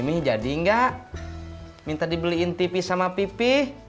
mi jadi gak minta dibeliin tipi sama pipi